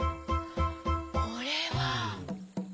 これは。